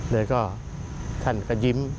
แล้วก็ท่านก็ยิ้ม